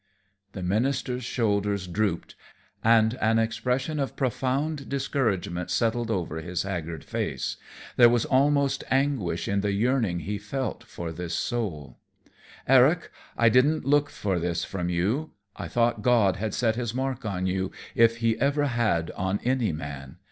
The minister's shoulders drooped, and an expression of profound discouragement settled over his haggard face. There was almost anguish in the yearning he felt for this soul. "Eric, I didn't look for this from you. I thought God had set his mark on you if he ever had on any man.